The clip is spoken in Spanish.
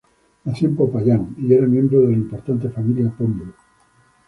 Nació en Popayán y era miembro de la importante familia Pombo.